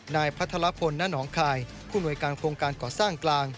นายพระธาระพลน้านองคายผู้หน่วยการโครงการกอดสร้างกลาง